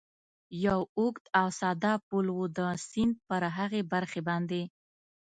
یو اوږد او ساده پل و، د سیند پر هغې برخې باندې.